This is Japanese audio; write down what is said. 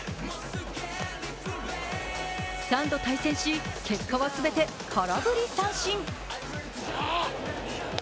３度対戦し結果はすべて空振り三振。